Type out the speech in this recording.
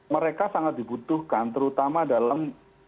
mereka sangat dibutuhkan terutama dalam